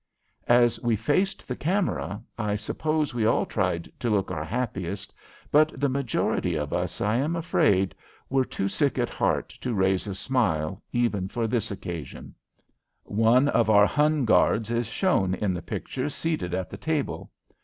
As we faced the camera, I suppose we all tried to look our happiest, but the majority of us, I am afraid, were too sick at heart to raise a smile even for this occasion. One of our Hun guards is shown in the picture seated at the table.